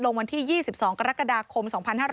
วันที่๒๒กรกฎาคม๒๕๕๙